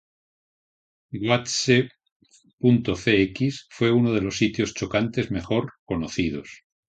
Goatse.cx fue uno de los sitios chocantes mejor conocidos.